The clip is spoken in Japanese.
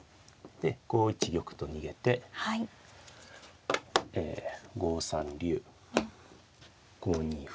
で５一玉と逃げてえ５三竜５二歩。